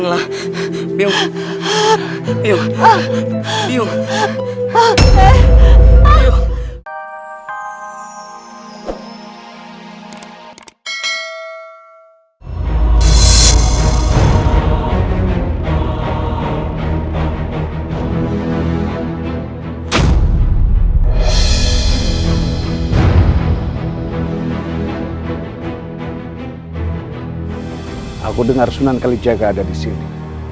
aku dengar sunan kalijaga ada di sini